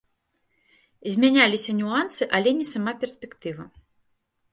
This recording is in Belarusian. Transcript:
Змяняліся нюансы, але не сама перспектыва.